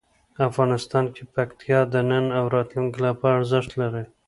افغانستان کې پکتیا د نن او راتلونکي لپاره ارزښت لري.